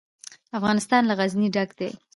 افغانستان له غزني ډک دی.